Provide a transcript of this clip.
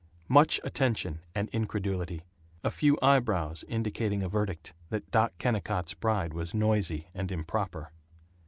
Much attention and incredulity. A few eyebrows indicating a verdict that Doc Kennicott's bride was noisy and improper.